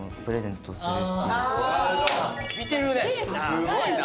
すごいな。